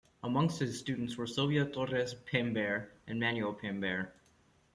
Amongst his students were Silvia Torres-Peimbert and Manuel Peimbert.